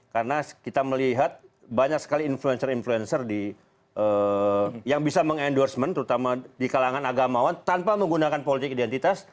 karena kita melihat banyak sekali influencer influencer yang bisa mengendorsement terutama di kalangan agamawan tanpa menggunakan politik identitas